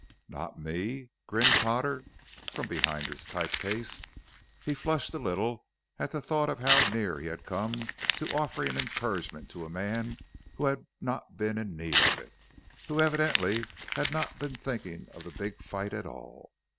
"Not me?" grinned Potter from behind his type case. He flushed a little at the thought of how near he had come to offering encouragement to a man who had not been in need of it, who, evidently, had not been thinking of the big fight at all.